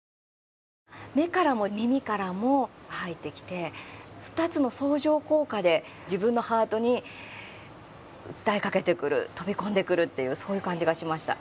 目からも、耳からも入ってきて、２つの相乗効果で自分のハートに訴えかけてくる飛び込んでくるっていうそういう感じがしました。